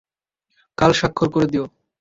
কাল স্বাক্ষর করে দিয়ো।